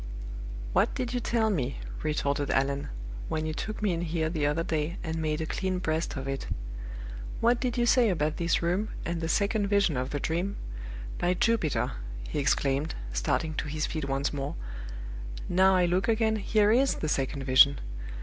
"What did you tell me," retorted Allan, "when you took me in here the other day, and made a clean breast of it? What did you say about this room, and the second vision of the dream? By Jupiter!" he exclaimed, starting to his feet once more, "now I look again, here is the Second Vision!